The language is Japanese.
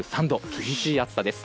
厳しい暑さです。